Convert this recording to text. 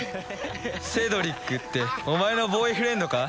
セドリックってお前のボーイフレンドか？